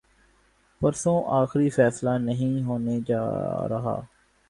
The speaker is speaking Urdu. پرسوں آخری فیصلہ نہیں ہونے جارہا۔